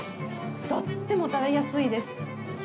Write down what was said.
とっても食べやすいです！